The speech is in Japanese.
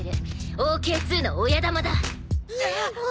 ＯＫ−２の親玉？